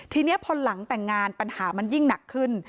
ทีนี้พอหลังแต่งงานปัญหามันยิ่งหนักขึ้น